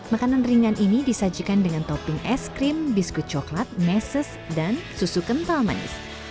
makanan ringan ini disajikan dengan topping es krim biskuit coklat meses dan susu kental manis